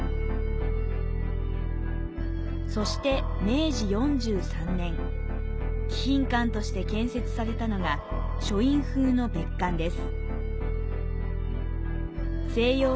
そして明治４３年、貴賓館として建設されたのが書院風の別館です。